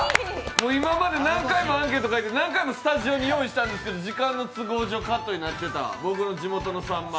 今まで何回もアンケートに書いて何回もスタジオに用意したんですけど、時間の都合上カットになってた僕の地元のさんま。